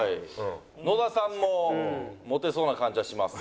野田さんもモテそうな感じはします。